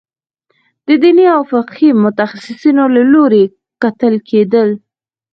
د دیني او فقهي متخصصینو له لوري کتل کېدل.